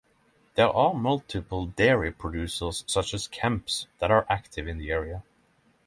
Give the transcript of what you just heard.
There are multiple dairy producers such as Kemps that are active in the area.